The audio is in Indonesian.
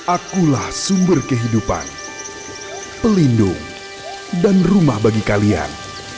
akulah sumber kehidupan pelindung dan rumah bagi kalian